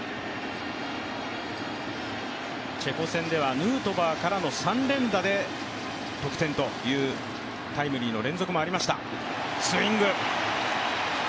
チェコ戦ではヌートバーからの３連打で得点というタイムリーの連続もありました。